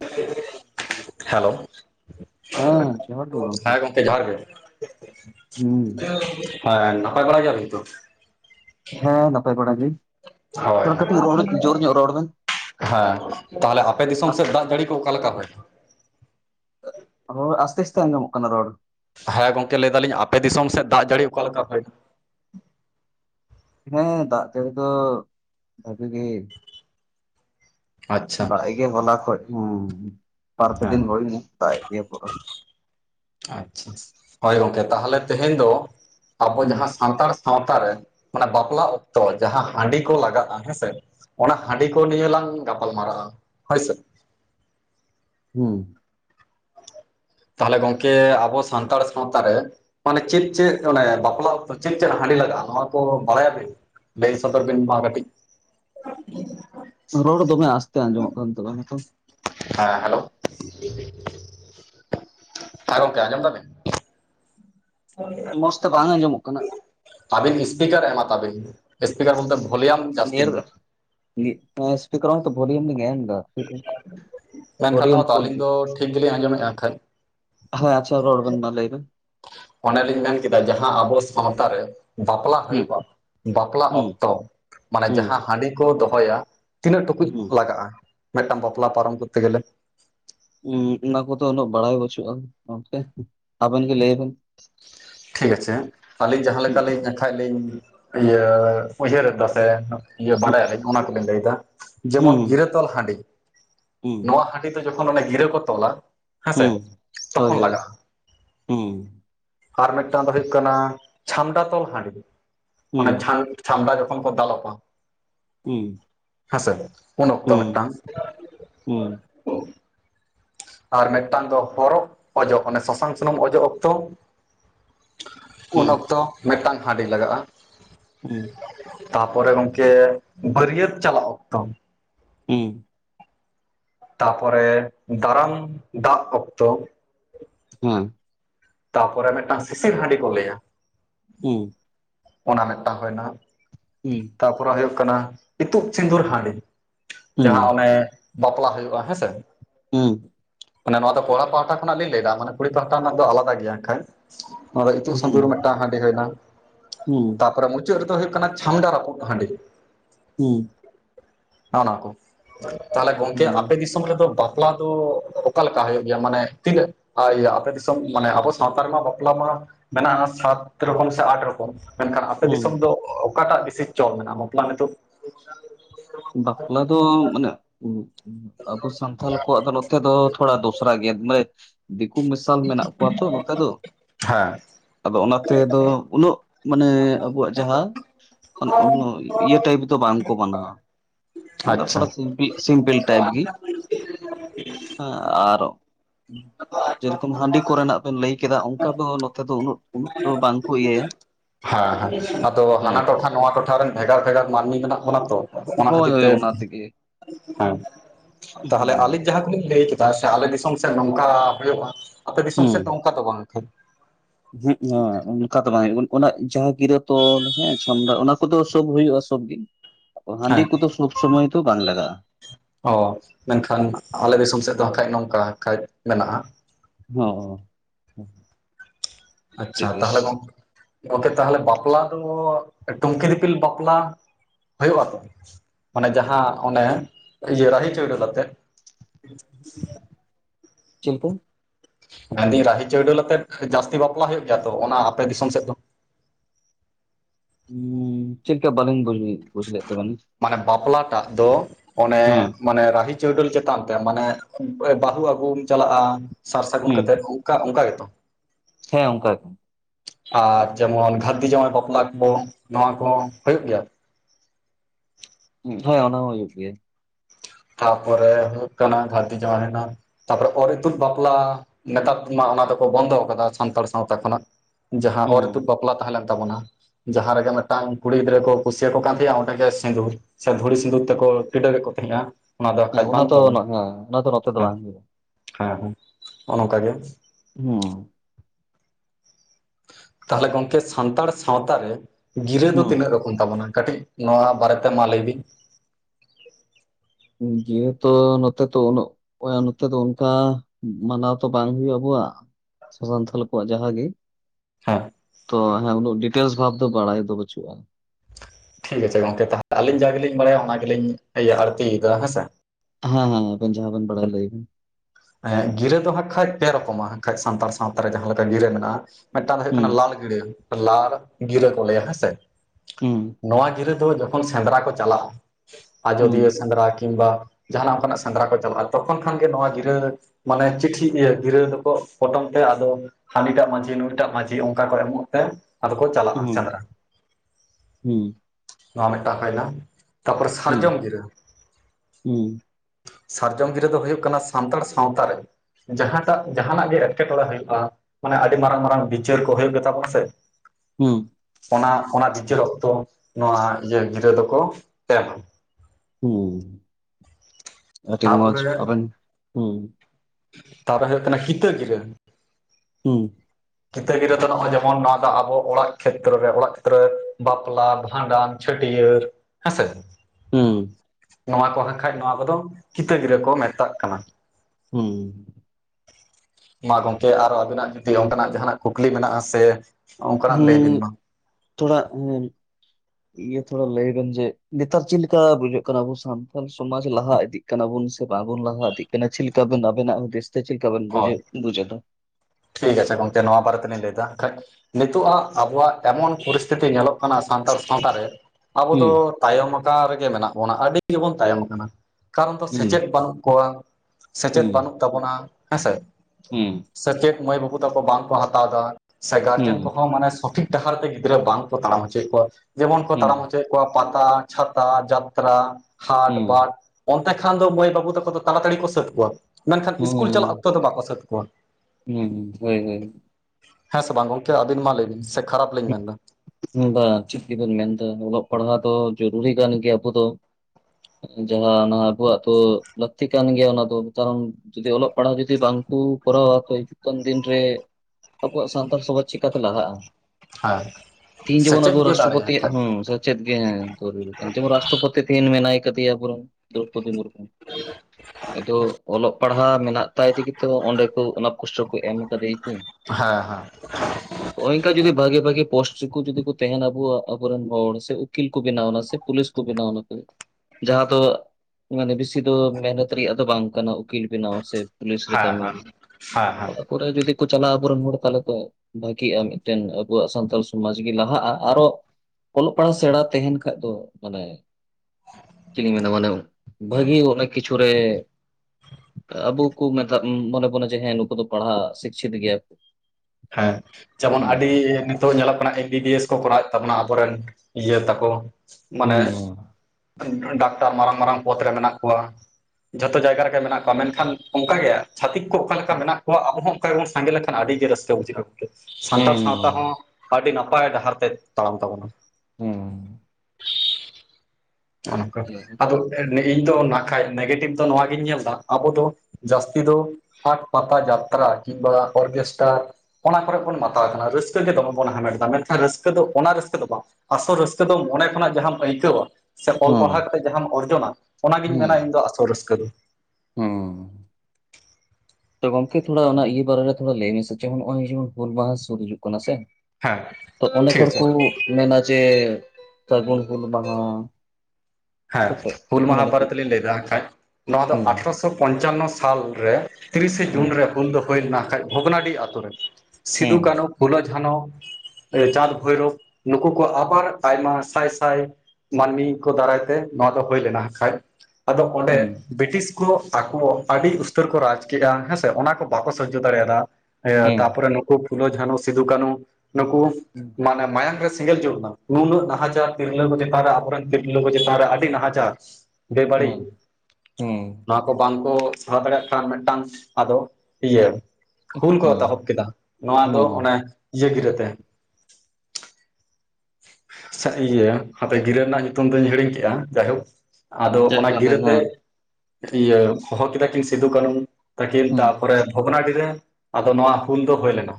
[unintelligible] Hello ᱦᱮᱸ ᱡᱚᱦᱟᱨ ᱜᱮ ᱜᱚᱢᱠᱮ ᱦᱮᱸ ᱜᱚᱝᱠᱮ ᱡᱚᱦᱟᱨ ᱜᱮ ᱾ ᱦᱮᱸ ᱱᱟᱯᱟᱭ ᱵᱟᱲᱟ ᱜᱮᱭᱟ ᱵᱤᱱ ᱛᱚ? ᱦᱮᱸ ᱱᱟᱯᱟᱭ ᱵᱟᱲᱟ ᱜᱮ ᱦᱚᱭ ᱛᱷᱚᱲᱟ ᱠᱟᱹᱴᱤᱡ ᱨᱚᱲ ᱡᱳᱨ ᱧᱚᱜ ᱨᱚᱲ ᱵᱮᱱ [unintelligible] ᱦᱮᱸ ᱛᱟᱦᱚᱞᱮ ᱟᱯᱮ ᱫᱤᱥᱚᱢ ᱟᱥ ᱥᱮᱫ ᱫᱟᱜ ᱡᱟᱹᱲᱤ ᱠᱚ ᱚᱠᱟᱞᱮᱠᱟ ᱦᱚᱭ? ᱦᱚᱭ ᱟᱥᱛᱮ ᱟᱥᱛᱮ ᱟᱸᱡᱚᱢᱚᱜ ᱠᱟᱱᱟ ᱨᱚᱲ ᱦᱮᱸ ᱜᱚᱝᱠᱮ ᱞᱟᱹᱭ ᱫᱟᱞᱤᱧ ᱟᱯᱮ ᱫᱤᱥᱚᱢ ᱥᱮᱫ ᱫᱟᱜ ᱡᱟᱹᱲᱤ ᱚᱠᱟ ᱞᱮᱠᱟ ᱦᱳᱭᱮᱱᱟ? ᱦᱮᱸ ᱫᱟᱜ ᱡᱟᱹᱲᱤ ᱫᱚ ᱵᱷᱟᱹᱜᱤ ᱜᱮ ᱟᱪᱪᱷᱟ ᱫᱟᱜ ᱮᱫ ᱜᱮᱭᱟᱭ ᱦᱚᱞᱟ ᱠᱷᱚᱡ ᱵᱟᱨᱯᱮ ᱦᱮᱸ ᱫᱤᱱ ᱦᱩᱭᱮᱱᱟ ᱫᱟᱜ ᱮᱫ ᱜᱮᱭᱟᱭ ᱯᱩᱨᱟᱹ ᱟᱪᱷᱟ ᱦᱚᱭ ᱜᱚᱝᱠᱮ ᱛᱟᱦᱚᱞᱮ ᱛᱮᱦᱮᱧ ᱫᱚ ᱟᱵᱚ ᱦᱩᱸ ᱡᱟᱦᱟᱸ ᱥᱟᱱᱛᱟᱲ ᱥᱟᱶᱛᱟ ᱨᱮ ᱢᱟᱱᱮ ᱵᱟᱯᱞᱟ ᱚᱠᱛᱚ ᱡᱟᱦᱟᱸ ᱦᱟᱺᱰᱤ ᱠᱚ ᱞᱟᱜᱟᱜ-ᱟ ᱦᱮᱸᱥᱮ ᱚᱱᱟ ᱦᱟᱺᱰᱤ ᱠᱚ ᱱᱤᱭᱮ ᱞᱟᱝ ᱜᱟᱯᱟᱞ ᱢᱟᱨᱟᱜ-ᱟ ᱦᱚᱭᱥᱮ ᱦᱩᱸ ᱛᱟᱦᱚᱞᱮ ᱜᱚᱢᱠᱮ ᱟᱵᱚ ᱥᱟᱱᱛᱟᱲ ᱥᱟᱶᱛᱟ ᱨᱮ ᱢᱟᱱᱮ ᱪᱮᱫ ᱪᱮᱫ ᱚᱱᱮ ᱵᱟᱯᱞᱟ ᱚᱠᱛᱚ ᱪᱮᱫ ᱪᱮᱫ ᱦᱟᱺᱰᱤ ᱞᱟᱜᱟᱜ-ᱟ ᱱᱚᱣᱟ ᱠᱚ ᱵᱟᱲᱟᱭᱟᱵᱤᱱ? ᱞᱟᱹᱭ ᱥᱚᱫᱚᱨ ᱵᱤᱱ ᱢᱟ ᱠᱟᱹᱴᱤᱡ ᱨᱚᱲ ᱫᱚᱢᱮ ᱟᱥᱛᱮ ᱟᱸᱡᱚᱢᱚᱜ ᱠᱟᱱ ᱛᱟᱵᱤᱱᱟ ᱛᱚ ᱦᱮᱸ ᱦᱮᱞᱳ ᱦᱟᱸ ᱜᱚᱝᱠᱮ ᱟᱡᱚᱢ ᱮᱫᱟ ᱵᱤᱱ? ᱢᱚᱡ ᱛᱮ ᱵᱟᱝ ᱟᱹᱡᱚᱢᱚᱜ ᱠᱟᱱᱟ ᱟᱵᱤᱱ ᱤᱥᱯᱤᱠᱟᱨ ᱮᱢ ᱟᱛᱟᱵᱤᱱ ᱤᱥᱯᱤᱠᱟᱨ ᱵᱚᱞᱛᱮ ᱵᱷᱚᱞᱤᱭᱟᱢ ᱡᱟᱹᱥᱛᱤ ᱱᱤᱭᱟᱹ ᱵᱤᱱ, ᱨᱮᱫᱚ ᱮᱥᱯᱤᱠᱟᱨ ᱚᱱ ᱛᱮ ᱵᱷᱚᱞᱤᱭᱚᱢ ᱞᱤᱧ ᱮᱢ ᱮᱫᱟ [unintelligible] ᱢᱮᱱᱠᱷᱟᱱ ᱵᱷᱚᱞᱤᱭᱟᱢ ᱱᱚᱣᱟ ᱫᱚ ᱯᱷᱩᱞ ᱟᱹᱞᱤᱧ ᱫᱚ ᱴᱷᱤᱠ ᱜᱮᱞᱤᱧ ᱟᱸᱡᱚᱢᱮᱫ-ᱟ ᱠᱷᱟᱡ ᱦᱚᱭ ᱟᱪᱪᱷᱟ ᱨᱚᱲ ᱵᱮᱱ ᱢᱟ ᱞᱟᱹᱭ ᱵᱤᱱ ᱚᱱᱮ ᱞᱤᱧ ᱢᱮᱱ ᱠᱮᱫᱟ ᱡᱟᱦᱟᱸ ᱟᱵᱚ ᱥᱟᱶᱛᱟ ᱨᱮ ᱵᱟᱯᱞᱟ ᱦᱩᱸ ᱦᱩᱭᱩᱜ-ᱟ ᱵᱟᱯᱞᱟ ᱦᱩᱸ ᱚᱠᱛᱚ ᱢᱟᱱᱮ ᱦᱩᱸ ᱡᱟᱦᱟᱸ ᱦᱟᱺᱰᱤ ᱠᱚ ᱫᱚᱦᱚᱭᱟ ᱛᱤᱱᱟᱹᱜ ᱴᱩᱠᱩᱡ ᱦᱩᱸ ᱞᱟᱜᱟᱜ-ᱟ ᱢᱤᱫᱴᱟᱝ ᱵᱟᱯᱞᱟ ᱯᱟᱨᱚᱢ ᱠᱚᱨᱛᱮ ᱜᱮᱞᱮ? ᱩᱸ ᱚᱱᱟ ᱠᱚᱫᱚ ᱩᱱᱟᱹᱜ ᱵᱟᱲᱟᱭ ᱵᱟᱹᱪᱩᱜ-ᱟ ᱜᱚᱝᱠᱮ ᱟᱵᱤᱱ ᱜᱮ ᱞᱟᱹᱭ ᱵᱤᱱ? ᱴᱷᱤᱠ ᱠᱟᱪᱷᱮ ᱟᱹᱞᱤᱧ ᱡᱟᱦᱟ ᱦᱩᱸ ᱞᱮᱠᱟᱞᱤᱧ ᱮᱱᱠᱷᱟᱡ ᱞᱤᱧ ᱤᱭᱟᱹ ᱩᱭᱦᱟᱹᱨ ᱮᱫᱟ ᱥᱮ ᱼᱼ ᱤᱭᱟᱹ ᱵᱟᱰᱟᱭᱟᱞᱤᱧ ᱚᱱᱟ ᱠᱚᱞᱤᱧ ᱞᱟᱹᱭᱮᱫᱟ ᱡᱮᱢᱚᱱ ᱦᱩᱸ ᱜᱤᱨᱟᱹ ᱛᱚᱞ ᱦᱟᱺᱰᱤ ᱦᱩᱸ ᱱᱚᱣᱟ ᱦᱟᱺᱰᱤᱼᱼ ᱛᱤ ᱛᱮ ᱡᱚᱠᱷᱚᱱ ᱚᱱᱮ ᱜᱤᱨᱟᱹ ᱠᱚ ᱛᱚᱞᱟ ᱼᱼ ᱦᱩᱸ ᱦᱚᱭᱜᱮ ᱦᱩᱸ ᱾ ᱟᱨ ᱢᱤᱫᱴᱟᱝ ᱫᱚ ᱦᱩᱭᱳᱜ ᱠᱟᱱᱟ ᱪᱷᱟᱢᱰᱟ ᱛᱚᱞ ᱦᱟᱺᱰᱤ ᱚᱱᱮ ᱦᱩᱸ ᱪᱷᱟᱢ ᱼᱼ ᱪᱷᱟᱢᱰᱟ ᱡᱚᱠᱷᱚᱱ ᱠᱚ ᱫᱟᱞᱚᱵᱟ ᱾ ᱦᱩᱸ ᱾ ᱦᱮᱸ ᱥᱮ ᱩᱱ ᱚᱠᱛᱚ ᱢᱤᱫᱴᱟᱝ ᱼᱼ ᱦᱩᱸ ᱟᱨ ᱢᱤᱫᱴᱟᱝ ᱫᱚ ᱦᱚᱨᱚᱜ ᱚᱡᱚᱜ ᱢᱟᱱᱮ ᱥᱟᱥᱟᱝ ᱥᱩᱱᱩᱢ ᱚᱡᱚᱜ ᱚᱠᱛᱚ᱾ ᱩᱱ ᱦᱩᱸ ᱚᱠᱛᱚ ᱢᱤᱫᱴᱟᱝ ᱦᱟᱺᱰᱤ ᱞᱟᱜᱟᱜ-ᱟ᱾ ᱦᱩᱸᱻ ᱛᱟᱨᱯᱚᱨᱮ ᱜᱚᱝᱠᱮ ᱵᱟᱹᱨᱭᱟᱹᱛ ᱪᱟᱞᱟᱜ ᱚᱠᱛᱚ ᱾ ᱦᱩᱸ ᱛᱟᱨᱯᱚᱨᱮ ᱫᱟᱨᱟᱢ ᱫᱟᱜ ᱚᱠᱛᱚᱼᱼ ᱦᱮᱸ ᱛᱟᱨᱯᱚᱨᱮ ᱢᱤᱫᱴᱟᱝ ᱥᱤᱥᱤᱨ ᱦᱟᱺᱰᱤ ᱠᱚ ᱞᱟᱹᱭᱟ᱾ ᱦᱩᱸ᱾ ᱚᱱᱟ ᱢᱤᱫᱴᱟᱝ ᱦᱩᱭᱮᱱᱟ᱾ ᱦᱩᱸ᱾ ᱛᱟᱨᱯᱚᱨᱮ ᱦᱩᱭᱩᱜ ᱠᱟᱱᱟ ᱤᱛᱩᱫ ᱥᱤᱱᱫᱩᱨ ᱦᱟᱺᱰᱤ ᱦᱩᱸ ᱡᱟᱦᱟ ᱚᱱᱮᱼᱼ ᱵᱟᱯᱞᱟ ᱦᱩᱭᱩᱜ-ᱟ ᱦᱮᱸᱥᱮ᱾ ᱦᱩᱸᱻ ᱢᱟᱱᱮ ᱱᱚᱣᱟ ᱫᱚ ᱠᱚᱲᱟ ᱯᱟᱦᱴᱟ ᱠᱷᱚᱱᱟᱜ ᱞᱤᱧ ᱞᱟᱹᱭ ᱮᱫᱟ ᱢᱟᱱᱮ ᱠᱩᱲᱤ ᱯᱟᱦᱴᱟ ᱨᱮᱱᱟᱜ ᱫᱚ ᱟᱞᱟᱫᱟ ᱜᱮᱭᱟ ᱮᱱᱠᱷᱟᱱ ᱾ ᱱᱚᱣᱟ ᱫᱚ ᱤᱛᱩᱜ ᱥᱤᱱᱫᱩᱨ ᱨᱮ ᱢᱤᱫᱴᱟᱝ ᱦᱟᱺᱰᱤ ᱦᱩᱭᱮᱱᱟ᱾ ᱦᱩᱸᱻ᱾ ᱛᱟᱨᱯᱚᱨᱮ ᱢᱩᱪᱟᱹᱫᱽ ᱨᱮᱫᱚ ᱦᱩᱭᱩᱜ ᱠᱟᱱᱟ ᱪᱷᱟᱢᱰᱟ ᱨᱟᱹᱯᱩᱫ ᱦᱟᱺᱰᱤ᱾ ᱦᱩᱸ ᱱᱚᱜ ᱱᱚᱣᱟ ᱠᱚ ᱛᱟᱦᱚᱞᱮ ᱜᱚᱝᱠᱮ ᱟᱯᱮ ᱦᱩᱸ ᱫᱤᱥᱚᱢ ᱼᱼ ᱟᱯᱮ ᱫᱤᱥᱚᱢ ᱨᱮᱫᱚ ᱵᱟᱯᱞᱟ ᱫᱚ ᱚᱠᱟ ᱞᱮᱠᱟ ᱦᱩᱭᱩᱜ ᱜᱮᱭᱟ ᱢᱟᱱᱮ ᱛᱤᱱᱟᱹᱜ? ᱟᱨ ᱟᱯᱮ ᱫᱤᱥᱚᱢ ᱢᱟᱱᱮ ᱟᱵᱚ ᱥᱟᱶᱛᱟ ᱨᱮᱢᱟ ᱵᱟᱯᱞᱟ ᱢᱟ ᱢᱮᱱᱟᱜᱼᱟ ᱥᱟᱛ ᱨᱚᱠᱚᱢ ᱥᱮ ᱟᱴ ᱨᱚᱠᱚᱢ ᱾ ᱢᱮᱱᱠᱷᱟᱱ ᱟᱯᱮ ᱫᱤᱥᱚᱢ ᱦᱩᱸ ᱫᱚ ᱚᱠᱟᱴᱟᱜ ᱵᱤᱥᱤ ᱪᱚᱞ ᱢᱮᱱᱟᱜ ᱟ ᱵᱟᱯᱞᱟ ᱱᱤᱛᱚᱜ? ᱵᱟᱯᱞᱟ ᱫᱚ ᱢᱟᱱᱮ ᱟᱵᱚ ᱥᱟᱱᱛᱟᱞ ᱠᱚᱣᱟᱜ ᱫᱚ ᱱᱚᱛᱮ ᱫᱚ ᱛᱷᱚᱲᱟ ᱫᱚᱥ ᱼᱼ ᱛᱷᱚᱲᱟ ᱜᱮ ᱢᱟᱹᱭ ᱫᱤᱠᱩ ᱢᱮᱥᱟᱞ ᱢᱮᱱᱟᱜ ᱠᱚᱣᱟ ᱛᱚ ᱱᱚᱛᱮ ᱫᱚ ᱦᱮᱸ ᱾ [inaudible] ᱟᱫᱚ ᱚᱱᱟ ᱛᱮ ᱫᱚ ᱩᱱᱟᱹᱜ ᱢᱟᱱᱮ ᱟᱵᱚᱣᱟᱜ ᱡᱟᱦᱟ ᱼᱼ ᱤᱭᱟᱹ ᱴᱟᱹᱭᱤᱯ ᱫᱚ ᱵᱟᱝ ᱠᱚ ᱢᱟᱱᱟᱣᱟ ᱾ ᱛᱷᱚᱲᱟ ᱟᱪᱪᱷᱟ ᱛᱷᱚᱲᱟ ᱥᱤᱢᱯᱤᱞ ᱥᱤᱢᱯᱤᱞ ᱴᱟᱭᱤᱯ ᱜᱤ ᱟᱨ ᱾ ᱡᱮᱨᱚᱠᱚᱢ ᱦᱟᱺᱰᱤ ᱠᱚ ᱨᱮᱱᱟᱜ ᱾ ᱞᱟᱹᱭ ᱠᱮᱫᱟ ᱚᱱᱠᱟ ᱫᱚ ᱱᱚᱛᱮ ᱫᱚ ᱩᱱᱟᱹᱜ ᱩᱱᱟᱹᱜ ᱫᱚ ᱵᱟᱝᱠᱚ ᱤᱭᱟᱹᱭᱟ ᱾ ᱦᱮᱸ ᱦᱮᱸ ᱟᱫᱚ ᱦᱟᱱᱟ ᱴᱚᱴᱷᱟ ᱱᱚᱣᱟ ᱴᱚᱴᱷᱟ ᱨᱮᱱ ᱵᱷᱮᱜᱟᱨ ᱵᱷᱮᱜᱟᱨ ᱢᱟᱹᱱᱢᱤ ᱢᱮᱱᱟᱜ ᱾ ᱚ ᱚᱱᱟ ᱦᱳᱭ ᱠᱷᱟᱹᱛᱤᱨ ᱦᱳᱭ ᱛᱮ ᱚᱱᱟ ᱛᱮᱜᱮ ᱦᱮᱸ ᱛᱟᱦᱚᱞᱮ ᱦᱩᱸ ᱟᱹᱞᱤᱧ ᱡᱟᱦᱟᱸ ᱠᱚᱞᱤᱧ ᱞᱟᱹᱭ ᱾ ᱪᱮᱫᱟᱜ ᱥᱮ ᱟᱞᱮ ᱫᱤᱥᱚᱢ ᱥᱮᱫ ᱱᱚᱝᱠᱟ ᱦᱩᱭᱩᱜᱼᱟ ᱟᱯᱮ ᱫᱤᱥᱚᱢ ᱦᱩᱸ ᱥᱮᱫ ᱫᱚ ᱱᱚᱝᱠᱟ ᱫᱚ ᱵᱟᱝ ᱴᱷᱤᱠ ᱼᱼ ᱦᱮᱸ ᱦᱮᱸ ᱚᱱᱠᱟ ᱫᱚ ᱵᱟᱝ ᱦᱩᱭᱩᱜ ᱚᱱᱟ ᱡᱟᱦᱟᱸ ᱜᱤᱨᱟᱹ ᱛᱚᱞ ᱦᱮᱸ ᱪᱷᱟᱢᱰᱟ ᱚᱱᱟ ᱠᱚᱫᱚ ᱥᱚᱵ ᱦᱩᱭᱩᱜᱼᱟ ᱾ ᱛᱚᱵ ᱜᱤ ᱦᱟᱺᱰᱤ ᱦᱮᱸ ᱠᱚᱫᱚ ᱥᱚᱵᱽ ᱥᱚᱢᱚᱭ ᱫᱚ ᱵᱟᱝ ᱞᱟᱜᱟᱜᱼᱟ ᱾ ᱚ ᱢᱮᱱᱠᱷᱟᱱ ᱟᱞᱮ ᱫᱤᱥᱚᱢ ᱥᱮᱫ ᱫᱚ ᱠᱷᱟᱱᱡ ᱱᱚᱝᱠᱟ ᱠᱷᱟᱡ ᱢᱮᱱᱟᱜᱼᱟ ᱾ ᱚᱸ ᱾ ᱟᱪᱪᱷᱟ ᱛᱟᱦᱚᱞᱮ ᱜᱚᱝᱠᱮ? ᱜᱚᱝᱠᱮ ᱛᱟᱦᱚᱞᱮ ᱵᱟᱯᱞᱟ ᱫᱚ ᱴᱩᱝᱠᱤ ᱫᱤᱯᱤᱞ ᱵᱟᱯᱞᱟ ᱦᱩᱭᱩᱜ ᱟ ᱛᱚ? ᱟᱱᱮ ᱡᱟᱦᱟᱸ ᱚᱱᱮ ᱤᱭᱟᱹ ᱨᱟᱦᱤ ᱪᱟᱣᱰᱟᱹᱞ ᱟᱛᱮᱜ ᱾ ᱪᱮᱞᱠᱟ [inaudible] ᱢᱮᱱᱫᱟᱹᱧ ᱨᱟᱦᱤ ᱪᱟᱹᱣᱰᱟᱹᱞ ᱟᱛᱮᱜ ᱡᱟᱹᱥᱛᱤ ᱵᱟᱯᱞᱟ ᱦᱳᱭᱳ ᱜᱮᱭᱟ ᱛᱚ ᱚᱱᱟ ᱟᱯᱮ ᱫᱤᱥᱚᱢ ᱥᱮᱫ ᱫᱚ? ᱦᱩᱸ ᱪᱮᱫᱠᱟ ᱵᱟᱹᱞᱤᱧ ᱵᱩᱡ ᱵᱩᱡᱽ ᱞᱮᱫ ᱛᱟᱵᱤᱱᱟ ᱾ ᱢᱟᱱᱮ ᱵᱟᱯᱞᱟᱴᱟᱜ ᱫᱚ ᱚᱱᱮ ᱦᱮᱸ ᱢᱟᱱᱮ ᱨᱟᱦᱤ ᱪᱟᱹᱣᱰᱟᱹᱞ ᱪᱮᱛᱟᱱ ᱛᱮ ᱢᱟᱱᱮ ᱵᱟᱹᱦᱩ ᱟᱹᱜᱩᱢ ᱪᱟᱞᱟᱜᱼᱟ ᱥᱟᱨ ᱥᱟᱹᱜᱩᱱ ᱦᱮᱸ ᱠᱟᱛᱮᱜ ᱾ ᱠᱟ ᱚᱱᱠᱟ ᱜᱮ ᱛᱚ? ᱦᱮᱸ ᱚᱱᱠᱟ ᱜᱮ ᱾ ᱟᱨ ᱡᱮᱢᱚᱱ ᱜᱷᱟᱹᱨᱫᱤ ᱡᱟᱶᱟᱭ ᱵᱟᱯᱞᱟ ᱠᱚ ᱱᱚᱣᱟ ᱠᱚ ᱦᱚᱸ ᱦᱳᱭᱳᱜ ᱜᱮᱭᱟ ᱾ ᱦᱮᱸ ᱚᱱᱟ ᱦᱚᱸ ᱦᱩᱭᱩᱜ ᱜᱮᱭᱟ ᱾ ᱛᱟᱯᱚᱨᱮ ᱦᱚᱭᱳᱜ ᱠᱟᱱᱟ, ᱜᱟᱹᱨᱫᱤ ᱡᱟᱭᱟᱭ ᱦᱤᱱᱟᱹ ᱛᱟᱯᱚᱨᱮ ᱚᱨ ᱤᱛᱩᱫ ᱵᱟᱯᱞᱟ ᱢᱮᱛᱟᱜ ᱢᱟ ᱚᱱᱟ ᱫᱚ ᱠᱚ ᱵᱚᱱᱫᱚ ᱟᱠᱟᱫᱟ ᱥᱟᱱᱛᱟᱲ ᱥᱟᱶᱛᱟ ᱠᱷᱚᱱᱟᱜ ᱾ ᱡᱟᱦᱟᱸ ᱚᱨ ᱤᱛᱩᱫ ᱦᱩᱸ ᱵᱟᱯᱞᱟ ᱛᱟᱦᱮᱸᱞᱮᱱ ᱛᱟᱵᱚᱱᱟ ᱾ ᱡᱟᱦᱟᱸ ᱨᱮᱜᱮ ᱢᱤᱫᱴᱟᱝ ᱠᱩᱲᱤ ᱜᱤᱫᱽᱨᱟᱹ ᱠᱚ ᱠᱩᱥᱤᱭᱟᱠᱚ ᱠᱟᱱ ᱛᱟᱦᱮᱸᱜᱼᱟ ᱚᱸᱰᱮ ᱜᱮ ᱥᱤᱸᱫᱩᱨ ᱾ ᱥᱮ ᱫᱷᱩᱲᱤ ᱥᱤᱸᱫᱩᱨ ᱛᱮᱠᱚ ᱴᱤᱰᱟᱹᱜ ᱮᱫ ᱠᱚ ᱛᱟᱦᱮᱸᱜᱼᱟ ᱾ ᱦᱮᱸ ᱚᱱᱟ ᱛᱚ [unintelligible] ᱚᱱᱟ ᱫᱚ ᱱᱚᱛᱮ ᱫᱚ ᱦᱮᱸ ᱵᱟᱝ ᱦᱩᱭᱩᱜᱼᱟ ᱾ ᱦᱮᱸ ᱦᱮᱸ ᱱᱚᱜ ᱱᱚᱝᱠᱟ ᱜᱮ ᱾ ᱦᱩᱸ [inaudible] ᱛᱟᱦᱚᱞᱮ ᱜᱚᱝᱠᱮ ᱥᱟᱱᱛᱟᱲ ᱥᱟᱶᱛᱟ ᱨᱮ ᱜᱤᱨᱟᱹ ᱫᱚ ᱦᱩᱸ ᱛᱤᱱᱟᱹᱜ ᱨᱚᱠᱚᱢ? ᱛᱟᱵᱚᱱᱟ ᱠᱟᱹᱴᱤᱡ ᱱᱚᱣᱟ ᱵᱟᱨᱮᱛᱮ ᱢᱟ ᱞᱟᱹᱭ ᱵᱤᱱ ᱾ ᱡᱮᱦᱚ ᱛᱚ ᱱᱚᱛᱮ ᱛᱚ ᱩᱱᱟᱹᱜ ᱱᱚᱜ ᱱᱚᱛᱮ ᱫᱚ ᱚᱱᱠᱟ ᱢᱟᱱᱟᱣ ᱛᱚ ᱵᱟᱝ ᱦᱩᱭᱩᱜᱼᱟ ᱟᱵᱚᱣᱟᱜ ᱥᱮ ᱥᱟᱱᱛᱟᱞ ᱠᱚᱣᱟᱜ ᱡᱟᱦᱟᱸ ᱜᱮ ᱦᱮᱸ ᱾ ᱛᱚ ᱦᱮᱸ ᱩᱱᱟᱹᱜ ᱰᱤᱴᱮᱞᱥ ᱵᱷᱟᱵ ᱫᱚ ᱵᱟᱲᱟᱭ ᱫᱚ ᱵᱟᱹᱪᱩᱜᱼᱟ ᱾ ᱴᱷᱤᱠ ᱟᱪᱷᱮ ᱜᱚᱝᱠᱮ ᱛᱟᱦᱮᱞᱤᱧ ᱡᱟ ᱜᱦᱮᱞᱤᱧ ᱵᱟᱲᱟᱭᱟ ᱚᱱᱟ ᱜᱮᱞᱤᱧ ᱤᱭᱟᱹ ᱟᱲᱛᱤᱭᱮᱫᱟ ᱦᱮᱸᱥᱮ ᱾ ᱦᱮᱸ ᱦᱮᱸ ᱟᱵᱮᱱ ᱡᱟᱦᱟᱸ ᱵᱮᱱ ᱵᱟᱲᱟᱭ ᱞᱟᱹᱭ ᱵᱮᱱ ᱾ ᱾ ᱜᱤᱨᱟᱹ ᱫᱚ ᱦᱟᱸᱜ ᱠᱷᱟᱡ ᱯᱮ ᱨᱚᱠᱚᱢᱟ ᱦᱟᱸᱠᱷᱟᱡ ᱥᱟᱱᱛᱟᱲ ᱥᱟᱶᱛᱟ ᱨᱮ ᱡᱟᱦᱟᱸ ᱞᱮᱠᱟ ᱜᱤᱨᱟᱹ ᱢᱮᱱᱟᱜᱼᱟ ᱾ ᱢᱤᱫᱴᱟᱝ ᱫᱚ ᱦᱩᱭᱩᱜ ᱦᱩᱸ ᱠᱟᱱᱟ ᱞᱟᱞ ᱜᱤᱲᱟᱹ ᱞᱟᱞ ᱜᱤᱨᱟᱹ ᱠᱚ ᱞᱟᱹᱭᱟ ᱦᱮᱸ ᱥᱮ ᱦᱩᱸ ᱱᱚᱣᱟ ᱜᱤᱨᱟᱹ ᱫᱚ ᱡᱚᱠᱷᱚᱱ ᱥᱮᱸᱫᱽᱨᱟ ᱠᱚ ᱪᱟᱞᱟᱜᱼᱟ ᱟᱡᱫᱤᱭᱟᱹ ᱦᱩᱸ ᱥᱮᱸᱫᱽᱨᱟ ᱠᱤᱢᱵᱟ, ᱾ ᱡᱟᱦᱱᱟᱜ ᱚᱱᱠᱟᱱᱟᱜ ᱥᱮᱸᱫᱽᱨᱟ ᱠᱚ ᱪᱟᱞᱟᱜᱼᱟ ᱛᱚᱠᱷᱚᱱ ᱠᱷᱟᱱ ᱜᱮ ᱱᱚᱣᱟ ᱜᱤᱨᱟᱹ ᱢᱟᱱᱮ ᱪᱤᱴᱷᱤ, ᱤᱭᱟᱹ ᱜᱤᱨᱟᱹ ᱫᱚᱠᱚ ᱯᱚᱴᱚᱢ ᱛᱮ ᱟᱫᱚ ᱦᱟᱹᱱᱤᱴᱟᱜ ᱢᱟᱺᱡᱷᱤ ᱱᱩᱭᱴᱟᱜ ᱢᱟᱺᱡᱷᱤ ᱚᱱᱠᱟ ᱠᱚ ᱮᱢᱚᱜ ᱛᱮ ᱾ ᱟᱫᱚ ᱠᱚ ᱪᱟᱞᱟᱜᱼᱟ ᱦᱩᱸ ᱥᱮᱸᱫᱽᱨᱟ ᱦᱩᱸ ᱱᱚᱣᱟ ᱢᱤᱫᱴᱟᱝ ᱯᱷᱟᱭᱫᱟ ᱾ ᱛᱟᱯᱚᱨᱮ ᱥᱟᱨᱡᱚᱢ ᱦᱩᱸ ᱜᱤᱨᱟᱹ ᱦᱩᱸ ᱥᱟᱨᱡᱚᱢ ᱜᱤᱨᱟᱹ ᱫᱚ ᱦᱩᱭᱩᱜ ᱠᱟᱱᱟ ᱥᱟᱱᱛᱟᱲ ᱥᱟᱶᱛᱟ ᱨᱮ ᱡᱟᱦᱟᱸᱴᱟᱜ ᱡᱟᱦᱟᱱᱟᱜ ᱜᱮ ᱮᱴᱠᱮᱴᱚᱬᱮ ᱦᱩᱭᱩᱜ-ᱟ ᱢᱟᱱᱮ ᱟᱹᱰᱤ ᱢᱟᱨᱟᱝ ᱢᱟᱨᱟᱝ ᱵᱤᱪᱟᱹᱨ ᱠᱚ ᱦᱩᱭᱩᱜ ᱜᱮᱛᱟ ᱵᱚᱱᱟ ᱥᱮ ᱾ ᱦᱩᱸ ᱚᱱᱟ ᱚᱱᱟ ᱵᱤᱪᱟᱹᱨ ᱚᱠᱛᱚ ᱱᱚᱣᱟ ᱤᱭᱟᱹ ᱜᱤᱨᱟᱹ ᱫᱚᱠᱚ ᱮᱢᱟ ᱾ ᱦᱩᱸ ᱟᱹᱰᱤ ᱢᱚᱡᱽ ᱛᱟᱯᱚᱨᱮ ᱟᱵᱮᱱ ᱦᱩᱸ ᱛᱟᱨᱯᱚᱨᱮ ᱦᱩᱭᱩᱜ ᱠᱟᱱᱟ ᱠᱤᱛᱟᱹ ᱜᱤᱨᱟᱹ ᱦᱩᱸ ᱾ ᱠᱤᱛᱟᱹ ᱜᱤᱨᱟᱹ ᱫᱚ ᱱᱚᱜ-ᱚᱭ ᱡᱮᱢᱚᱱ ᱱᱚᱣᱟ ᱫᱚ ᱟᱵᱚ ᱚᱲᱟᱜ ᱠᱷᱮᱛᱨᱮ ᱨᱮ ᱚᱲᱟᱜ ᱠᱷᱮᱛᱨᱮ ᱨᱮ ᱵᱟᱯᱞᱟ, ᱵᱷᱟᱸᱰᱟᱱ, ᱪᱷᱟᱹᱴᱭᱟᱹᱨ ᱦᱮᱸ ᱥᱮ ᱾ ᱦᱩᱸ ᱾ ᱱᱚᱣᱟ ᱠᱚ ᱟᱟᱠᱷᱟᱡ ᱱᱚᱣᱟ ᱠᱚᱫᱚ ᱠᱤᱛᱟᱹ ᱜᱤᱨᱟᱹ ᱠᱚ ᱢᱮᱛᱟᱜ ᱠᱟᱱᱟ ᱾ ᱦᱩᱸ ᱾ ᱢᱟ ᱜᱚᱝᱠᱮ ᱟᱨᱚ ᱟᱵᱤᱱᱟᱜ ᱡᱩᱫᱤ ᱚᱱᱠᱟᱱᱟᱜ ᱡᱟᱦᱟᱱᱟᱜ ᱠᱩᱠᱞᱤ ᱢᱮᱱᱟᱜ-ᱟ ᱥᱮ ᱚᱱᱠᱟᱱᱟᱜ ᱞᱟᱹᱭ ᱦᱩᱸᱜ ᱵᱤᱱ ᱢᱟ ᱛᱷᱚᱲᱟ ᱤᱭᱟᱹ ᱛᱷᱚᱲᱟ ᱞᱟᱹᱭ ᱵᱮᱱ ᱡᱮ ᱱᱮᱛᱟᱨ ᱪᱮᱫ ᱞᱮᱠᱟ ᱵᱩᱡᱷᱟᱹᱜ ᱠᱟᱱᱟ ᱟᱵᱚ ᱥᱟᱱᱛᱟᱞ ᱥᱚᱢᱟᱡᱽ ᱞᱟᱦᱟ ᱤᱫᱤᱜ ᱠᱟᱱᱟ ᱵᱚᱱ ᱥᱮ ᱵᱟᱵᱚᱱ ᱞᱟᱦᱟ ᱤᱫᱤᱜ ᱠᱟᱱᱟ ᱪᱮᱫ ᱞᱮᱠᱟ ᱵᱮᱱ ᱟᱵᱮᱱᱟᱜ ᱦᱩᱫᱤᱥ ᱛᱮ ᱪᱮᱫ ᱞᱮᱠᱟ ᱵᱮᱱ ᱵᱩᱡᱷᱟᱹᱜ ᱦᱳᱭ ᱵᱩᱡᱽ ᱮᱫᱟ? ᱴᱷᱤᱠ ᱟᱪᱷᱮ ᱜᱚᱝᱠᱮ ᱱᱚᱣᱟ ᱵᱟᱨᱮ ᱛᱮᱞᱤᱧ ᱞᱟᱹᱭ ᱮᱫᱟ, ᱟᱠᱷᱟᱡ ᱱᱤᱛᱚᱜ ᱟᱜ ᱟᱵᱚᱣᱟᱜ ᱮᱢᱚᱱ ᱯᱚᱨᱤᱥᱛᱷᱤᱛᱤ ᱧᱮᱞᱚᱜ ᱠᱟᱱᱟ ᱥᱟᱱᱛᱟᱲ ᱥᱟᱶᱛᱟ ᱨᱮ ᱟᱵᱚ ᱫᱚ ᱦᱩᱸ ᱛᱟᱭᱚᱢ ᱟᱠᱟ ᱨᱮᱜᱮ ᱢᱮᱱᱟᱜ ᱵᱚᱱᱟ ᱟᱹᱰᱤ ᱜᱮᱵᱚᱱ ᱛᱟᱭᱚᱢ ᱠᱟᱱᱟ ᱾ ᱠᱟᱨᱚᱱ ᱫᱚ ᱥᱮᱪᱮᱫ ᱦᱩᱸ ᱵᱟᱹᱱᱩᱜ ᱠᱚᱣᱟ ᱥᱮᱪᱮᱫ ᱦᱩᱸ ᱵᱟᱹᱱᱩᱜ ᱛᱟᱵᱚᱱᱟ ᱦᱮᱸ ᱥᱮ ᱾ ᱦᱩᱸ ᱥᱮᱪᱮᱫ ᱢᱟᱹᱭ ᱵᱟᱹᱵᱩ ᱛᱟᱠᱚ ᱵᱟᱝ ᱠᱚ ᱦᱟᱛᱟᱣᱫᱟ ᱥᱮ ᱜᱟᱨᱡᱮᱱ ᱦᱩᱸ ᱠᱚᱦᱚᱸ ᱢᱟᱱᱮ ᱥᱚᱴᱷᱤᱠ ᱰᱟᱦᱟᱨ ᱛᱮ ᱜᱤᱫᱽᱨᱟᱹ ᱵᱟᱝ ᱠᱚ ᱛᱟᱲᱟᱢ ᱦᱚᱪᱚᱭᱮᱫ ᱠᱚᱣᱟ ᱡᱮᱢᱚᱱ ᱠᱚ ᱦᱩᱸ ᱛᱟᱲᱟᱢ ᱦᱚᱪᱚᱭᱮᱫ ᱠᱚᱣᱟ ᱯᱟᱛᱟ, ᱪᱷᱟᱛᱟ, ᱡᱟᱛᱨᱟ, ᱦᱟᱴ ᱵᱟᱴ ᱦᱩᱸ ᱚᱱᱛᱮ ᱠᱷᱟᱱ ᱫᱚ ᱢᱟᱹᱭ ᱵᱟᱹᱵᱩ ᱛᱟᱠᱚ ᱫᱚ ᱛᱟᱲᱟᱛᱟᱲᱤ ᱠᱚ ᱥᱟᱹᱛ ᱠᱚᱣᱟ, ᱢᱮᱱᱠᱷᱟᱱ ᱤᱥᱠᱩᱞ ᱪᱟᱞᱟᱜ ᱦᱩᱸ ᱚᱠᱛᱚ ᱫᱚ ᱵᱟᱠᱚ ᱥᱟᱹᱛ ᱠᱚᱣᱟ ᱦᱩᱸ ᱦᱳᱭ ᱜᱮ ᱦᱮᱸ ᱥᱮ ᱵᱟᱝ ᱜᱚᱝᱠᱮ ᱟᱹᱵᱤᱱ ᱢᱟ ᱞᱟᱹᱭ ᱵᱤᱱ ᱥᱮ ᱠᱷᱟᱨᱟᱯ ᱞᱤᱧ ᱢᱮᱱᱫᱟ ᱵᱟᱝ ᱴᱷᱤᱠ ᱜᱮ ᱵᱚᱱ ᱢᱮᱱᱫᱟ ᱚᱞᱚᱜ ᱯᱟᱲᱦᱟᱣ ᱫᱚ ᱡᱚᱨᱩᱨᱤ ᱠᱟᱱ ᱜᱮᱭᱟ ᱟᱵᱚ ᱫᱚ ᱡᱟᱦᱟᱸ ᱚᱱᱟ ᱟᱵᱚᱣᱟᱜ ᱫᱚ ᱞᱟᱹᱠᱛᱤ ᱠᱟᱱ ᱜᱮᱭᱟ ᱚᱱᱟ ᱫᱚ ᱠᱟᱨᱚᱱ ᱡᱩᱫᱤ ᱚᱞᱚᱜ ᱯᱟᱲᱦᱟᱜ ᱡᱩᱫᱤ ᱵᱟᱝᱠᱚ ᱠᱚᱨᱟᱣᱟ ᱛᱚ ᱦᱟᱹᱡᱩᱜ ᱠᱟᱱ ᱫᱤᱱ ᱨᱮ ᱟᱵᱚᱣᱟᱜ ᱥᱟᱱᱛᱟᱲ ᱥᱚᱢᱟᱡᱽ ᱪᱤᱠᱟᱛᱮ ᱞᱟᱦᱟᱜ-ᱟ ᱦᱳᱭ ᱛᱤᱦᱤᱧ ᱡᱮᱢᱚᱱ ᱟᱵᱚ ᱨᱟᱥᱴᱨᱚᱯᱚᱛᱤᱭᱟᱜ ᱦᱩᱸ ᱥᱚᱛ ᱪᱮᱫ ᱜᱮ ᱦᱮᱸ ᱛᱩᱨᱩ ᱞᱮᱠᱟᱱ ᱡᱮᱢᱚᱱ ᱨᱟᱥᱴᱨᱚᱯᱚᱛᱤ ᱛᱤᱦᱤᱧ ᱢᱮᱱᱟᱭ ᱠᱟᱫᱤᱭᱟᱹ ᱟᱵᱩ ᱨᱮᱱ ᱫᱨᱚᱯᱚᱫᱤ ᱢᱩᱨᱢᱩ [unintelligible] ᱮᱛᱚ ᱚᱞᱚᱜ ᱯᱟᱲᱦᱟᱜ ᱢᱮᱱᱟᱜ ᱛᱟᱭ ᱛᱮᱜᱮ ᱛᱚ ᱚᱸᱰᱮ ᱠᱚ ᱚᱱᱟ ᱠᱚᱥᱴᱚ ᱠᱚ ᱮᱢ ᱠᱟᱫᱮᱭᱟ ᱠᱚ ᱦᱮᱸ ᱦᱮᱸ ᱠᱷᱟᱡ ᱡᱩᱫᱤ ᱵᱷᱟᱜᱤ ᱵᱷᱟᱜᱤ ᱯᱳᱥᱴ ᱨᱮᱠᱚ ᱡᱩᱫᱤ ᱠᱚ ᱛᱟᱦᱮᱱᱟ ᱟᱵᱚᱣᱟᱜ ᱟᱵᱚᱨᱮᱱ ᱦᱚᱲ ᱥᱮ ᱩᱠᱤᱞ ᱠᱚ ᱵᱮᱱᱟᱣᱱᱟ ᱥᱮ ᱯᱩᱞᱤᱥ ᱠᱚ ᱵᱮᱱᱟᱣ ᱱᱟᱠᱚ, ᱡᱟᱦᱟᱸ ᱫᱚ ᱢᱟᱱᱮ ᱵᱤᱥᱤᱫᱚ ᱢᱮᱦᱱᱚᱛ ᱨᱮᱭᱟᱜ ᱫᱚ ᱵᱟᱝ ᱠᱟᱱᱟ ᱩᱠᱤᱞ ᱵᱮᱱᱟᱣ ᱥᱮ ᱯᱩᱞᱤᱥ ᱨᱮ ᱦᱮᱸ ᱠᱟᱹᱢᱤ, ᱦᱮᱸ ᱦᱮᱸ [unintelligible] ᱯᱚᱨᱮ ᱡᱩᱫᱤ ᱠᱚ ᱪᱟᱞᱟᱜ-ᱟ ᱟᱵᱚ ᱨᱮᱱ ᱦᱚᱲ ᱛᱟᱞᱦᱮ ᱛᱚ ᱵᱷᱟᱹᱜᱤᱜ-ᱟ ᱢᱤᱫ ᱴᱮᱱ ᱟᱵᱚᱣᱟᱜ ᱥᱟᱱᱛᱟᱞ ᱥᱚᱢᱟᱡᱽ ᱜᱮ ᱞᱟᱦᱟᱜ-ᱟ ᱟᱨᱚ ᱚᱞᱚᱜ ᱯᱟᱲᱦᱟᱜ ᱥᱮᱬᱟ ᱛᱟᱦᱮᱱ ᱠᱷᱟᱡ ᱫᱚ ᱢᱟᱱᱮ ᱪᱤᱫ ᱤᱧ ᱢᱮᱱᱟ ᱵᱷᱟᱹᱜᱤ ᱚᱱᱮᱠ ᱠᱤᱪᱷᱩ ᱨᱮ ᱟᱵᱚ ᱠᱚ ᱢᱮᱛᱟᱜ ᱢᱚᱱᱮ ᱵᱚᱱᱟ ᱡᱮ ᱦᱮᱸ ᱱᱩᱠᱩ ᱫᱚ ᱯᱟᱲᱦᱟᱜ ᱥᱤᱠᱪᱷᱤᱛ ᱜᱮᱭᱟ ᱠᱚ ᱦᱮᱸ ᱡᱮᱢᱚᱱ ᱦᱩᱸ ᱟᱰᱤ ᱱᱤᱛ ᱱᱤᱛᱚᱜ ᱧᱮᱞᱚᱜ ᱠᱟᱱᱟ ᱮᱢ ᱵᱤ ᱵᱤ ᱮᱥ ᱠᱚ ᱠᱚᱨᱟᱣᱮᱫ ᱛᱟᱵᱚᱱᱟ ᱟᱵᱚ ᱨᱮᱱ ᱤᱭᱟᱹ ᱛᱟᱠᱚ ᱢᱟᱱᱮ ᱦᱩᱸ ᱰᱟᱠᱛᱟᱨ ᱢᱟᱨᱟᱝ ᱢᱟᱨᱟᱝ ᱯᱚᱛ ᱨᱮ ᱢᱮᱱᱟᱜ ᱠᱚᱣᱟ ᱡᱷᱚᱛᱚ ᱡᱟᱭᱜᱟ ᱨᱮᱜᱮ ᱢᱮᱱᱟᱜ ᱠᱚᱣᱟ ᱢᱮᱱᱠᱷᱟᱱ ᱚᱝᱠᱟ ᱜᱮ ᱪᱷᱟᱛᱤᱠ ᱠᱚ ᱚᱠᱟ ᱞᱮᱠᱟ ᱢᱮᱱᱟᱜ ᱠᱚᱣᱟ ᱟᱵᱚ ᱦᱚᱸ ᱚᱝᱠᱟ ᱜᱮ ᱵᱚᱱ ᱥᱟᱸᱜᱮ ᱞᱮᱠᱷᱟᱱ ᱟᱹᱰᱤ ᱜᱮ ᱨᱟᱹᱥᱠᱟᱹ ᱵᱩᱡᱷᱟᱹᱣ ᱥᱟᱱᱛᱟᱲ ᱦᱩᱸ ᱦᱩᱸ ᱥᱟᱶᱛᱟ ᱦᱚᱸ ᱟᱹᱰᱤ ᱱᱟᱯᱟᱭ ᱰᱟᱦᱟᱨ ᱛᱮᱭ ᱛᱟᱲᱟᱢ ᱛᱟᱵᱚᱱᱟ ᱦᱩᱸ ᱱᱚᱜ-ᱚ ᱱᱝᱠᱚ ᱟᱫᱚ ᱤᱧ ᱫᱚ ᱱᱟᱜ ᱠᱷᱟᱡ ᱱᱮᱜᱮᱴᱤᱵᱷ ᱫᱚ ᱱᱚᱣᱟᱜᱤᱧ ᱧᱮᱞᱫᱟ ᱟᱵᱚ ᱫᱚ ᱡᱟᱹᱥᱛᱤ ᱫᱚ ᱦᱟᱴ, ᱯᱟᱛᱟ, ᱡᱟᱛᱨᱟ ᱠᱤᱢᱵᱟ ᱚᱨᱜᱮᱥᱴᱟᱨ ᱚᱱᱟ ᱠᱚᱨᱮ ᱵᱚᱱ ᱢᱟᱛᱟᱣ ᱠᱟᱱᱟ ᱨᱟᱹᱥᱠᱟᱹ ᱜᱮ ᱫᱚᱢᱮ ᱵᱚᱱ ᱦᱟᱢᱮᱴ ᱮᱟ ᱢᱮᱱᱠᱷᱟᱱ ᱨᱟᱹᱥᱠᱟᱹ ᱫᱚ ᱚᱱᱟ ᱨᱟᱹᱥᱠᱟᱹ ᱫᱚ ᱵᱟᱝ ᱟᱥᱚᱞ ᱨᱟᱹᱥᱠᱟᱹ ᱫᱚ ᱢᱚᱱᱮ ᱠᱷᱚᱱᱟᱜ ᱡᱟᱦᱟᱸᱢ ᱟᱹᱭᱠᱟᱹᱣᱟ ᱥᱮ ᱚᱞ ᱯᱟᱲᱦᱟᱣ ᱠᱟᱛᱮᱫ ᱡᱟᱦᱟᱢ ᱚᱨᱡᱚᱱᱟ ᱦᱩᱸ ᱚᱱᱟᱜᱤᱧ ᱢᱮᱱᱟ ᱤᱧ ᱦᱩᱸ ᱫᱚ ᱟᱥᱚᱞ ᱨᱟᱹᱥᱠᱟᱹ ᱫᱚ ᱦᱩᱸ ᱛᱚ ᱜᱚᱝᱠᱮ ᱛᱷᱚᱲᱟ ᱚᱱᱟ ᱤᱭᱟᱹ ᱵᱟᱨᱮ ᱨᱮ ᱛᱷᱚᱲᱟ ᱞᱟᱹᱭ ᱢᱮᱥᱮ ᱱᱚᱜᱼᱚᱭ ᱡᱮ ᱦᱩᱞ ᱢᱟᱦᱟ ᱥᱩᱨ ᱦᱤᱡᱩᱜ ᱠᱟᱱᱟ ᱥᱮ ᱦᱮᱸ ᱛᱚ ᱚᱱᱮᱠ ᱴᱷᱤᱠ ᱦᱚᱲ ᱟᱪᱷᱮ ᱠᱚ ᱢᱮᱱᱟ ᱡᱮ ᱥᱟᱹᱜᱩᱱ ᱦᱩᱞ ᱢᱟᱦᱟ ᱦᱮᱸ ᱦᱮᱸᱥᱮ ᱦᱩᱞ ᱢᱟᱦᱟ ᱢᱮᱱᱟᱠᱚ ᱵᱟᱨᱮ ᱛᱮᱞᱤᱧ ᱞᱟᱹᱭᱫᱟ ᱦᱟᱸᱜ ᱠᱷᱟᱡ ᱱᱚᱣᱟ ᱫᱚ ᱦᱩᱸ ᱟᱴᱷᱨᱚᱥᱚ ᱯᱚᱧᱪᱟᱱᱱᱚ ᱥᱟᱞᱨᱮ ᱛᱤᱨᱤᱥᱮ ᱡᱩᱱ ᱦᱩᱸ ᱨᱮ ᱦᱩᱞ ᱫᱚ ᱦᱩᱭ ᱞᱮᱱᱟ ᱦᱟᱸᱜ ᱠᱷᱟᱡ ᱵᱷᱚᱜᱽᱱᱟᱰᱤ ᱟᱛᱳ ᱨᱮ ᱥᱤᱫᱩ, ᱦᱩᱸ ᱠᱟᱹᱱᱩ, ᱯᱷᱩᱞᱳ, ᱡᱷᱟᱱᱚ ᱮᱻ ᱪᱟᱸᱫᱽ, ᱵᱷᱳᱭᱨᱳᱚᱵ ᱱᱩᱠᱩ ᱠᱚ ᱟᱵᱟᱨ ᱟᱭᱢᱟ ᱥᱟᱭ ᱥᱟᱭ ᱢᱟᱹᱱᱢᱤ ᱠᱚ ᱫᱟᱨᱟᱭ ᱛᱮ ᱱᱚᱣᱟ ᱫᱚ ᱦᱩᱭ ᱞᱮᱱᱟ ᱦᱟᱸᱜ ᱠᱷᱟᱡ ᱟᱫᱚ ᱚᱸᱰᱮ ᱦᱩᱸ ᱵᱨᱤᱴᱤᱥ ᱠᱚᱦᱚᱸ ᱟᱠᱚ ᱟᱹᱰᱤ ᱩᱥᱛᱟᱹᱨ ᱠᱚ ᱨᱟᱡᱽ ᱠᱮᱜᱼᱟ ᱦᱮᱸᱥᱮ ᱚᱱᱟ ᱠᱚ ᱵᱟᱠᱚ ᱥᱚᱡᱡᱚ ᱫᱟᱲᱮᱭᱟᱫᱟ ᱤᱭᱟ. ᱦᱩᱸ ᱛᱟᱯᱚᱨᱮ ᱱᱩᱠᱩ ᱯᱷᱩᱞᱳ, ᱡᱷᱟᱱᱳ, ᱥᱤᱫᱩ, ᱠᱟᱹᱱᱩ ᱱᱩᱠᱩ ᱢᱟᱱᱮ ᱢᱟᱭᱟᱝ ᱨᱮ ᱥᱮᱸᱜᱮᱞ ᱡᱩᱞ ᱮᱱᱟ ᱱᱩᱱᱟᱹᱜ ᱱᱟᱦᱟᱪᱟᱨ ᱛᱤᱨᱞᱟᱹ ᱠᱚ ᱪᱮᱛᱟᱱ ᱨᱮ ᱟᱵᱚᱨᱮᱱ ᱛᱤᱨᱞᱟᱹ ᱠᱚ ᱪᱮᱛᱟᱱ ᱨᱮ ᱟᱹᱰᱤ ᱱᱟᱦᱟᱪᱟᱨ ᱵᱮᱵᱟᱹᱲᱤᱡ ᱦᱩᱸ ᱦᱩᱸ ᱦᱩᱸ ᱱᱚᱣᱟ ᱠᱚ ᱵᱟᱝᱠᱚ ᱥᱟᱦᱟ ᱫᱟᱲᱮᱭᱟᱜ ᱠᱷᱟᱱ ᱢᱤᱫᱴᱟᱝ ᱟᱫᱚ ᱤᱭᱟᱹ ᱦᱩᱞ ᱠᱚ ᱮᱛᱚᱦᱚᱵ ᱦᱩᱸ ᱠᱮᱫᱟ ᱱᱚᱣᱟ ᱦᱩᱸ ᱫᱚ ᱚᱱᱮ ᱤᱭᱟᱹ ᱜᱤᱨᱟᱹᱛᱮ ᱥᱟ ᱤᱭᱟᱹ ᱦᱟᱯᱮ ᱜᱤᱨᱟᱹ ᱨᱮᱱᱟᱜ ᱧᱩᱛᱩᱢ ᱫᱚᱩᱧ ᱦᱤᱲᱤᱧ ᱠᱮᱫᱟ ᱡᱟᱭᱦᱳᱠ ᱟᱫᱚ ᱚᱱᱟ ᱦᱩᱸ ᱜᱤᱨᱟᱹᱛᱮ ᱤᱭᱟᱹ ᱦᱚᱦᱚ ᱠᱮᱫᱟ ᱠᱤᱱ ᱥᱤᱫᱩ ᱠᱟᱹᱱᱩ ᱛᱟᱹᱠᱤᱱ ᱦᱩᱸ ᱛᱟᱯᱚᱨᱮ ᱵᱷᱚᱜᱽᱱᱟᱰᱤ ᱨᱮ ᱟᱫᱚ ᱱᱚᱣᱟ ᱦᱩᱞ ᱫᱚ ᱦᱩᱭ ᱞᱮᱱᱟ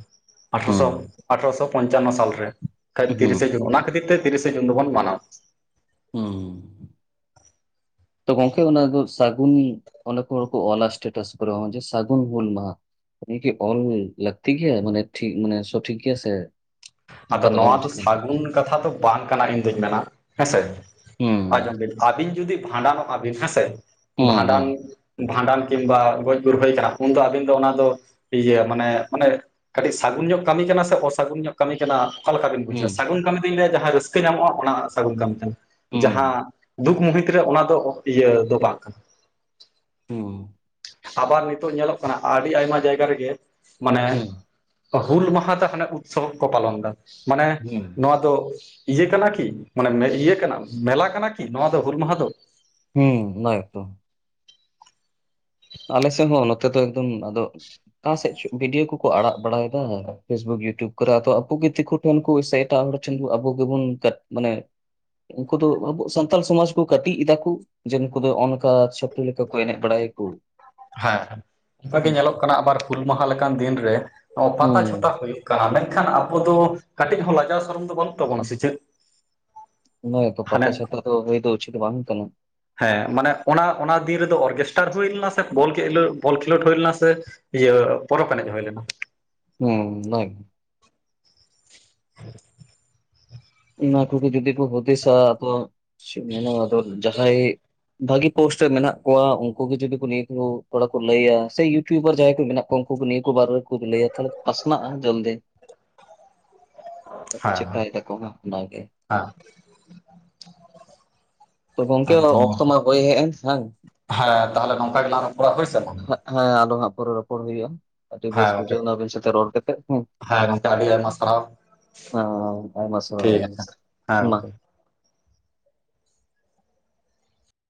ᱟᱴᱷᱨᱚᱥᱚ ᱦᱩᱸ, ᱟᱴᱷᱮᱨᱚᱥᱚ ᱯᱚᱧᱪᱟᱱᱱᱚ ᱥᱟᱞᱨᱮ ᱠᱷᱟᱡ ᱦᱩᱸ, ᱛᱤᱨᱤᱥᱮ ᱡᱩᱱ ᱚᱱᱟ ᱠᱷᱟᱹᱛᱤᱨ ᱛᱮ ᱛᱤᱨᱤᱥᱮ ᱡᱩᱱ ᱫᱚᱵᱚᱱ ᱢᱟᱱᱟᱣᱟ ᱦᱩᱸ ᱛᱚ ᱜᱚᱝᱠᱮ ᱚᱱᱟ ᱫᱚ ᱥᱟᱹᱜᱩᱱ ᱚᱱᱟᱠᱚᱨᱮ ᱠᱚ ᱚᱞᱟ ᱮᱥᱴᱮᱴᱟᱥ ᱠᱚᱨᱮ ᱚᱱᱮ ᱡᱮ ᱥᱟᱹᱜᱩᱱ ᱦᱩᱞ ᱢᱟᱦᱟ ᱩᱱᱤᱠᱤ ᱠᱤ ᱚᱞ ᱞᱟᱹᱠᱛᱤ ᱜᱮᱭᱟ ᱢᱟᱱᱮ ᱴᱷᱤ ᱢᱟᱱᱮ ᱥᱚᱴᱷᱤᱠ ᱜᱮᱭᱟ ᱥᱮ ᱟᱫᱚ ᱚᱱᱠᱟ ᱚᱞ ᱱᱚᱣᱟ ᱫᱚ ᱩᱪᱤᱛ ᱵᱟᱝ ᱠᱟᱱᱟ? ᱥᱟᱹᱜᱩᱱ ᱠᱟᱛᱷᱟ ᱫᱚ ᱵᱟᱝ ᱠᱟᱱᱟ ᱤᱧ ᱫᱩᱧ ᱢᱮᱱᱟ ᱦᱮᱸᱥᱮ ᱦᱩᱸ ᱟᱡᱚᱢ ᱵᱤᱱ ᱟᱹᱵᱤᱱ ᱡᱩᱫᱤ ᱵᱷᱟᱸᱰᱟᱱᱚᱜᱼᱟ ᱵᱤᱱ ᱦᱮᱸᱥᱮ ᱦᱩᱸ, ᱦᱩᱸ, ᱵᱷᱟᱸᱰᱟᱱ ᱵᱷᱟᱸᱰᱟᱱ ᱠᱤᱢᱵᱟ ᱜᱚᱡ ᱜᱩᱨ ᱦᱩᱭ ᱠᱟᱱᱟ ᱩᱱᱫᱚ ᱟᱵᱤᱱ ᱫᱚ ᱚᱱᱟ ᱫᱚ ᱤᱭᱟᱹ ᱢᱟᱱᱮ ᱢᱟᱱᱮ ᱠᱟᱹᱴᱤᱡ ᱥᱟᱹᱜᱩᱱ ᱧᱚᱜ ᱠᱟᱹᱢᱤ ᱠᱟᱱᱟ ᱥᱮ ᱚᱥᱟᱹᱜᱩᱱ ᱧᱚᱜ ᱠᱟᱹᱢᱤ ᱠᱟᱱᱟ ᱚᱠᱟ ᱞᱮᱠᱟ ᱵᱤᱱ ᱵᱩᱡᱷᱟᱹᱣᱟ, ᱥᱟᱹᱜᱩᱱ ᱠᱟᱹᱢᱤ ᱫᱩᱧ ᱞᱮᱭᱟ ᱡᱟᱦᱟᱸ ᱨᱟᱹᱥᱠᱟᱹ ᱧᱟᱢᱚᱜᱼᱟ ᱚᱱᱟ ᱥᱟᱹᱜᱩᱱ ᱠᱟᱹᱢᱤ ᱠᱟᱱᱟ ᱦᱩᱸ, ᱡᱟᱦᱟᱸ ᱫᱩᱠ ᱢᱩᱦᱤᱛ ᱨᱮ ᱚᱱᱟ ᱫᱚ ᱤᱭᱟᱹ ᱫᱚ ᱵᱟᱝ ᱠᱟᱱᱟ ᱦᱩᱸ ᱟᱵᱟᱨ ᱱᱤᱛᱚᱜ ᱧᱮᱞᱚᱜ ᱠᱟᱱᱟ ᱟᱹᱰᱤ ᱟᱭᱢᱟ ᱡᱟᱭᱜᱟ ᱨᱮᱜᱮ ᱢᱟᱱᱮ ᱦᱩᱸ, ᱦᱩᱞ ᱢᱟᱦᱟᱛᱮ ᱦᱟᱱᱮ ᱩᱛᱥᱚᱵ ᱠᱚ ᱯᱟᱞᱚᱱ ᱫᱟ ᱢᱟᱱᱮ ᱦᱩᱸ, ᱱᱚᱣᱟ ᱫᱚ ᱤᱭᱟᱹ ᱠᱟᱱᱟ ᱠᱤ ᱢᱟᱱᱮ ᱤᱭᱟᱹ ᱠᱟᱱᱟ ᱢᱮᱞᱟ ᱠᱟᱱᱟ ᱠᱤ ᱱᱚᱣᱟ ᱫᱚ ᱦᱩᱞ ᱢᱟᱦᱟ ᱫᱚ ᱦᱩᱸ ᱚᱱᱟ‌ ᱜᱮᱛᱚ ᱟᱞᱮ ᱥᱮᱱ ᱦᱚᱸ ᱱᱚᱛᱮ ᱫᱚ ᱮᱠᱫᱚᱢ ᱟᱫᱚ ᱚᱠᱟ ᱥᱮᱫ ᱵᱷᱤᱰᱭᱳ ᱠᱚᱠᱚ ᱟᱲᱟᱜ ᱵᱟᱲᱟᱭᱮᱫᱟ ᱯᱷᱮᱥᱵᱩᱠ ᱤᱭᱩᱴᱩᱵ ᱠᱚᱨᱮ ᱟᱫᱚ ᱟᱠᱩᱜᱮ ᱫᱤᱠᱩ ᱴᱷᱮᱱ ᱠᱩ ᱥᱮ ᱮᱴᱟᱜ ᱦᱚᱲ ᱴᱷᱮᱱ ᱟᱵᱚ ᱜᱮᱵᱚᱱ ᱢᱟᱱᱮ ᱩᱱᱠᱩ ᱫᱚ ᱟᱵᱚ ᱥᱟᱱᱛᱟᱞ ᱥᱚᱢᱟᱡ ᱠᱚ ᱠᱟᱹᱴᱤᱡ ᱮᱫᱟᱠᱚ ᱡᱮ ᱱᱩᱠᱩ ᱫᱚ ᱚᱱᱠᱟ ᱪᱷᱟᱯᱨᱤ ᱞᱮᱠᱟ ᱠᱚ ᱮᱱᱮᱡ ᱵᱟᱲᱟᱭᱟᱠᱩ ᱦᱮᱸ ᱚᱱᱠᱟᱜᱮ ᱧᱮᱞᱚᱜ ᱠᱟᱱᱟ ᱟᱵᱟᱨ ᱦᱩᱞ ᱢᱟᱦᱟ ᱞᱮᱠᱟᱱ ᱫᱤᱱ ᱨᱮ ᱯᱟᱛᱟ ᱦᱩᱸ ᱪᱷᱟ ᱼᱼ ᱛᱟ ᱦᱩᱭᱩᱜ ᱠᱟᱱᱟ, ᱢᱮᱱᱠᱷᱟᱱ ᱟᱵᱚ ᱫᱚ ᱠᱟᱹᱴᱤᱡ ᱦᱚᱸ ᱞᱟᱡᱟᱣ ᱥᱚᱨᱚᱢ ᱫᱚ ᱵᱟᱹᱱᱩᱜ ᱛᱟᱵᱚᱱᱟ ᱥᱮ ᱪᱮᱫ ᱚᱱᱟ ᱜᱮᱛᱚ ᱦᱟᱱᱮ ᱯᱟᱛᱟ ᱪᱷᱟᱛᱟ ᱞᱮᱠᱟ ᱫᱚ ᱦᱩᱭ ᱫᱚ ᱩᱪᱤᱛ ᱵᱟᱝ ᱠᱟᱱᱟ ᱦᱮᱸ ᱢᱟᱱᱮ ᱚᱱᱟ ᱚᱱᱟ ᱫᱤᱱ ᱨᱮᱫᱚ ᱚᱨᱠᱮᱥᱴᱟᱨ ᱦᱩᱭ ᱞᱮᱱᱟ ᱥᱮ ᱵᱚᱞ ᱠᱮᱞᱳᱰ ᱵᱚᱞ ᱠᱷᱮᱞᱳᱰ ᱦᱩᱭ ᱞᱮᱱᱟ ᱥᱮ ᱤᱭᱟᱹ ᱯᱚᱨᱚᱵᱽ ᱮᱱᱮᱡ ᱦᱩᱭ ᱞᱮᱱᱟ ᱦᱩᱸ ᱚᱱᱟᱜᱮ [inaudible] ᱚᱱᱟ ᱠᱩᱜᱮ ᱡᱩᱫᱤ ᱠᱚ ᱦᱩᱫᱤᱥᱟ ᱟᱫᱚ ᱪᱮᱫ ᱮᱢ ᱢᱮᱱᱟ ᱟᱫᱚ ᱡᱟᱦᱟᱸᱭ ᱵᱷᱟᱜᱤ ᱯᱳᱥᱴ ᱨᱮ ᱢᱮᱱᱟᱜ ᱠᱚᱣᱟ ᱩᱱᱠᱩ ᱜᱮ ᱡᱚᱫᱤ ᱱᱤᱭᱟᱹ ᱠᱚ ᱛᱷᱚᱲᱟ ᱠᱩ ᱞᱟᱹᱭᱟ ᱥᱮ ᱤᱭᱩᱴᱤᱭᱩᱵᱟᱨ ᱡᱟᱦᱟᱸᱭ ᱠᱚ ᱢᱮᱱᱟᱜ ᱠᱚᱣᱟ ᱱᱤᱭᱟᱹ ᱠᱚ ᱵᱟᱨᱮ ᱨᱮᱠᱚ ᱞᱟᱹᱭᱟ ᱛᱟᱞᱦᱮ ᱯᱟᱥᱱᱟᱜᱼᱟ ᱡᱟᱞᱫᱤ [inaudible] ᱟᱫᱚ ᱪᱮᱠᱟᱭ ᱫᱟᱠᱚ ᱚᱱᱟ ᱜᱮ ᱦᱟ ᱛᱚ ᱜᱚᱝᱠᱮ ᱚᱠᱛᱚ ᱢᱟ ᱦᱳᱭ ᱦᱮ ᱮᱱ ᱵᱟᱝ ᱦᱮᱸ ᱛᱟᱦᱚᱞᱮ ᱱᱚᱝᱠᱟ ᱜᱮᱞᱟᱝ ᱨᱚᱯᱚᱲᱟ ᱦᱳᱭ ᱥᱮ ᱵᱟᱝ ᱦᱮᱸ ᱟᱨᱚ ᱦᱟᱸᱜ ᱯᱚᱨᱮ ᱨᱚᱯᱚᱲ ᱦᱩᱭᱩᱜᱼᱟ ᱟᱹᱰᱤ ᱦᱮᱸ ᱵᱮᱥ ᱜᱚᱝᱠᱮ ᱵᱩᱡᱷᱟᱹᱣ ᱮᱱᱟ ᱟᱹᱵᱤᱱ ᱥᱟᱛᱮ ᱨᱚᱲ ᱠᱟᱛᱮ ᱦᱩ ᱦᱮᱸ ᱜᱚᱝᱠᱮ ᱟᱹᱰᱤ ᱟᱭᱢᱟ ᱥᱟᱨᱦᱟᱣ ᱦᱩᱸ ᱟᱭᱢᱟ ᱥᱟᱨᱦᱟᱣ ᱴᱷᱤᱠ ᱟᱪᱷᱮ ᱦᱮᱸ ᱢᱟ᱾ ᱜᱚᱝᱠᱮ